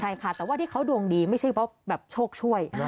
ใช่ค่ะแต่ว่าที่เขาดวงดีไม่ใช่เพราะแบบโชคช่วย